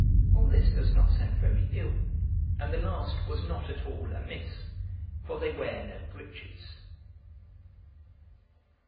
All this does not sound very ill, and the last was not at all amiss, for they wear no breeches.